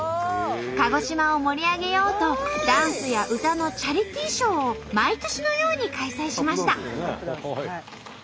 鹿児島を盛り上げようとダンスや歌のチャリティーショーを毎年のように開催しました。